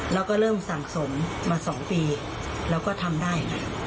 แล้วก็เริ่มสั่งสมมา๒ปีแล้วก็ทำได้